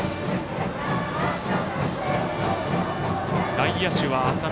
外野手は浅め。